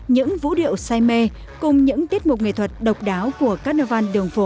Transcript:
những vũ điệu say mê cùng những tiết mục nghệ thuật độc đáo của carnival đường phố